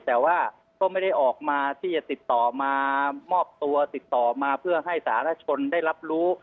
แต่ว่าก็ไม่ได้ออกมาที่จะติดต่อมามอบตัวติดต่อมาเพื่อให้สาธารณชนได้รับรู้